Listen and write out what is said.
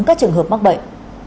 các trường hợp mắc bệnh